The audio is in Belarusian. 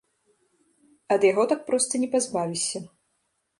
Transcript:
Ад яго так проста не пазбавішся.